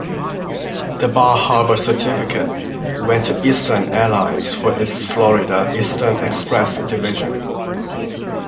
The Bar Harbor certificate went to Eastern Airlines for its Florida Eastern Express division.